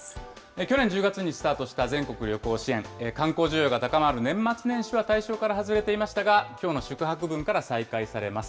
去年１０月にスタートした全国旅行支援、観光需要が高まる年末年始は対象から外れていましたが、きょうの宿泊分から再開されます。